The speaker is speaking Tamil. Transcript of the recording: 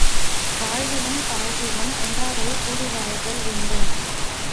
வாழ்விலும் தாழ்விலும் ஒன்றாகவே கூடி வாழ்தல் வேண்டும்!